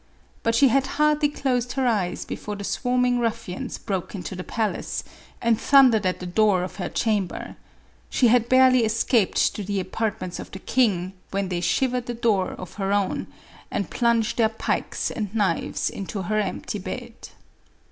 But she had hardly closed her eyes before the swarming ruffians broke into the palace, and thun dered at the door of her chamber ; she had barely es caped to the apartments of the king, when they shiv ered the door of her own, and plunged their pikes and knives into her empty bed.